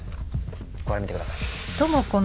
これ見てください。